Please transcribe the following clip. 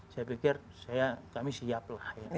saya pikir kami siap lah